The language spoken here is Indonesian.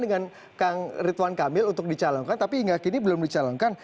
dengan kang rituan kamil untuk dicalonkan tapi hingga kini belum dicalonkan